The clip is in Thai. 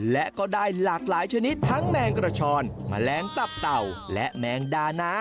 และก็ได้หลากหลายชนิดทั้งแมงกระชอนแมลงตับเต่าและแมงดานะ